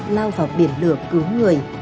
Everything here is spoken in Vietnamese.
lao vào biển lửa cứu người